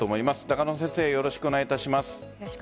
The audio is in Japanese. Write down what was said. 中野先生、よろしくお願いします。